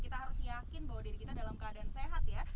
kita harus yakin bahwa diri kita dalam keadaan sehat ya